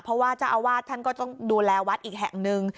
เพราะว่าเจ้าอาวาสท่านก็ต้องดูแลวัดอีกแห่งหนึ่ง